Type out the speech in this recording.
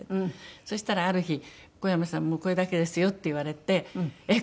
そしたらある日「小山さんもうこれだけですよ」って言われてえっ！